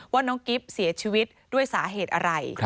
ว่าน้องกิ๊บเสียชีวิตด้วยสาเหตุอะไร